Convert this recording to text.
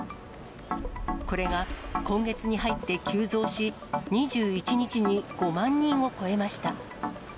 これが今月に入って急増し、２１日に５万人を超えました。